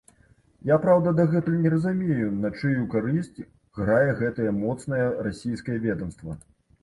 Я, праўда, дагэтуль не разумею, на чыю карысць грае гэтае моцнае расійскае ведамства.